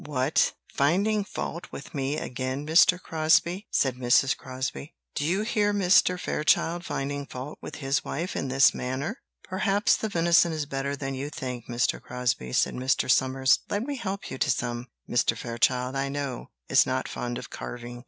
"What! finding fault with me again, Mr. Crosbie?" said Mrs. Crosbie. "Do you hear Mr. Fairchild finding fault with his wife in this manner?" "Perhaps the venison is better than you think, Mr. Crosbie," said Mr. Somers; "let me help you to some. Mr. Fairchild, I know, is not fond of carving."